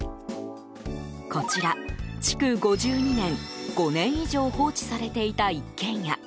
こちら、築５２年５年以上放置されていた一軒家。